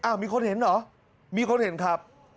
มีคนเห็นเหรอมีคนเห็นครับ